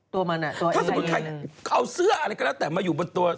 ถ้าสมมุติใครเอาเสื้ออะไรก็แล้วแต่มาอยู่บนตัว